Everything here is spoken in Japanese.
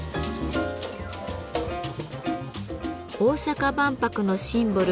大阪万博のシンボル